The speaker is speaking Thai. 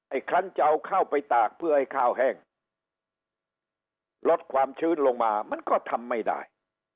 คันจะเอาข้าวไปตากเพื่อให้ข้าวแห้งลดความชื้นลงมามันก็ทำไม่ได้